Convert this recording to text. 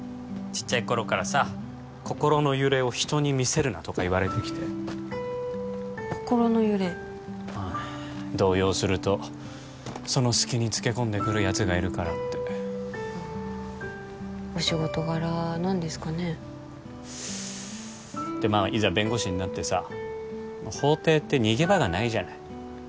ちっちゃい頃からさ「心の揺れを人に見せるな」とか言われてきて心の揺れうん動揺するとその隙につけこんでくるやつがいるからってお仕事柄なんですかねでまあいざ弁護士になってさ法廷って逃げ場がないじゃない？